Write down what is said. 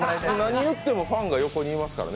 何言ってもファンが横にいますからね。